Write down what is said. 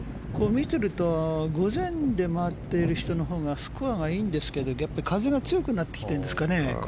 見ていると午前で回っている人のほうがスコアがいいんですけど、風が強くなってきてるんですかね。